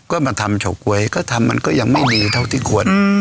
ก็มาทำเฉาก๊วยก็ทำมันก็ยังไม่ดีเท่าที่ควร